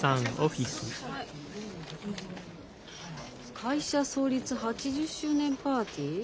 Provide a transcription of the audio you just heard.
「会社創立８０周年パーティー」？